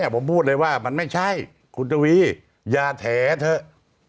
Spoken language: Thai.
ผมพูดเลยว่ามันไม่ใช่คุณทวีอย่าแถเถอะ